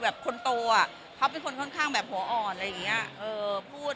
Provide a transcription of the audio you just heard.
แบบคนโตอะเขาเป็นคนค่อนข้างแบบหัวอ่อนอะไรอย่างเงี้ยเออพูด